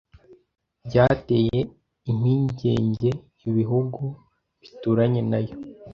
byateye impingenge ibihugu bituranye nayo